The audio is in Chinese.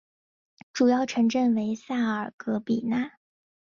主要城镇为萨尔格米讷。